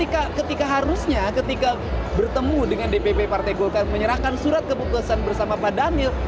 ketika harusnya ketika bertemu dengan dpp partai golkar menyerahkan surat keputusan bersama pak daniel